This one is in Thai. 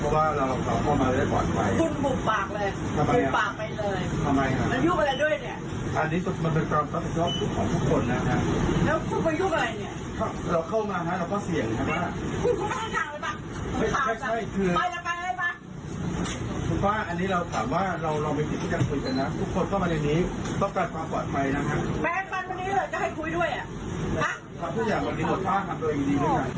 สักชั่วกันนี้ขนตัวรอตรงนี้ดีจริงพอ